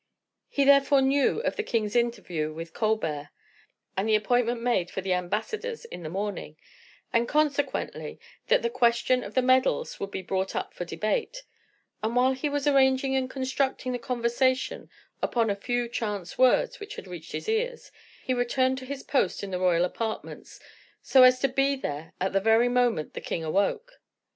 He therefore knew of the king's interview with Colbert, and of the appointment made for the ambassadors in the morning, and, consequently, that the question of the medals would be brought up for debate; and, while he was arranging and constructing the conversation upon a few chance words which had reached his ears, he returned to his post in the royal apartments, so as to be there at the very moment the king awoke.